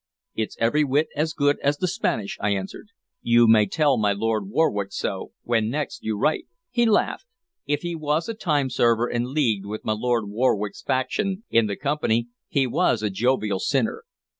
"It's every whit as good as the Spanish," I answered. "You may tell my Lord Warwick so, when next you write." He laughed. If he was a timeserver and leagued with my Lord Warwick's faction in the Company, he was a jovial sinner.